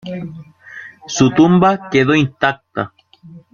Su tumba quedó intacta.